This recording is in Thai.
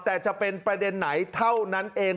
แต่จะเป็นประเด็นไหนเท่านั้นเอง